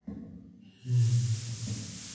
He plays on the track "Sacred and Mundane".